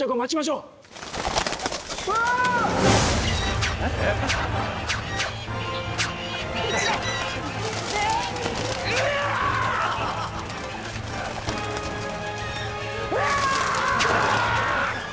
うわ！